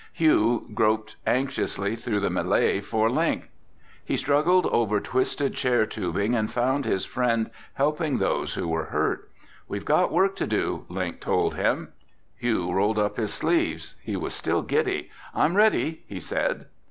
Hugh groped anxiously through the melee for Link. He struggled over twisted chair tubing and found his friend helping those who were hurt. "We've got work to do," Link told him. Hugh rolled up his sleeves. He was still giddy. "I'm ready," he said.